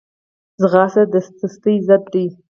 ځغاسته د سستۍ ضد ده